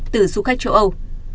từ du khách châu âu